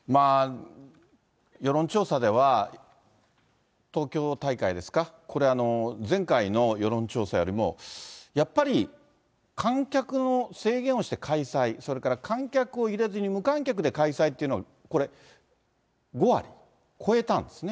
世論調査では、東京大会ですか、これ、前回の世論調査よりも、やっぱり観客の制限をして開催、それから観客を入れずに無観客で開催というの、これ、５割超えたんですね。